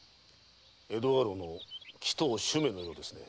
江戸家老の鬼頭主馬のようです。